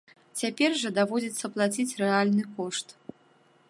Цяпер жа даводзіцца плаціць рэальны кошт.